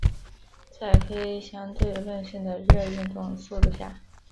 在非相对论性的热运动速度下。